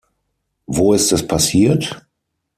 Wo ist es passiert?